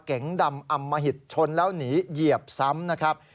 เก๋งดำอำมหิตชนแล้วหนีเหยียบซ้ำนะครับ